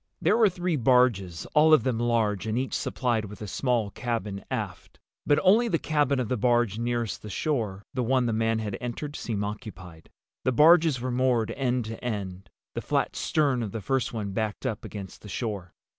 There were three barges, all of them large and each supplied with a small cabin aft. But only the cabin of the barge nearest the shore—the one the man had entered—seemed occupied. The barges were moored end to end, the flat stern of the first one backed up against the shore.